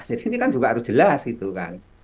jadi ini kan juga harus jelas gitu kan